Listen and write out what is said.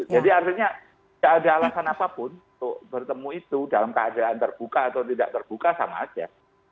jadi artinya gak ada alasan apapun bertemu itu dalam keadaan terbuka atau tidak terbuka sama aja